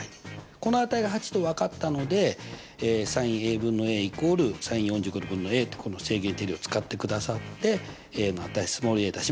この値が８と分かったのでｓｉｎＡ分の＝ｓｉｎ４５°分のってこの正弦定理を使ってくださっての値出しました。